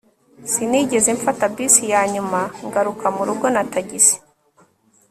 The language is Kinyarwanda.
sinigeze mfata bisi yanyuma, ngaruka murugo na tagisi